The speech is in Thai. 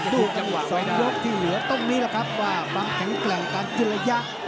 ดูสามยกที่เหลือตรงนี้นะครับว่าวางแข็งแกร่งกันที่ระยะ